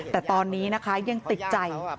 แต่ตอนนี้นะคะยังติดใจ